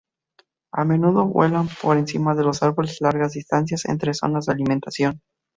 A menudo vuelan por encima de los árboles largas distancias entre zonas de alimentación.